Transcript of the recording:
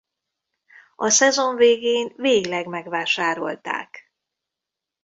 A szezon végén végleg megvásárolták.